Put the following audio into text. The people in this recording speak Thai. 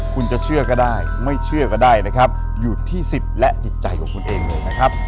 คุณจะเชื่อก็ได้ไม่เชื่อก็ได้นะครับอยู่ที่สิทธิ์และจิตใจของคุณเองเลยนะครับ